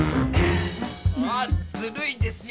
あっずるいですよ！